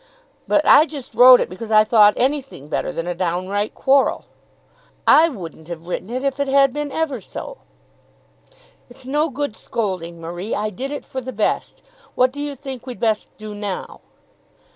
But I just wrote it because I thought anything better than a downright quarrel." "I wouldn't have written it, if it had been ever so." "It's no good scolding, Marie. I did it for the best. What do you think we'd best do now?"